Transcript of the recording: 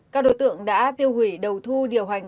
các đối tượng đã tiêu hủy đầu thu điều hành